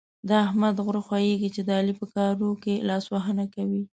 د احمد غره خوږېږي چې د علي په کارو کې لاسوهنه کوي.